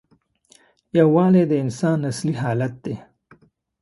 یووالی د انسان اصلي حالت دی.